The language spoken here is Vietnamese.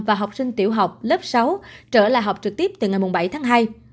và học sinh tiểu học lớp sáu trở lại học trực tiếp từ ngày bảy tháng hai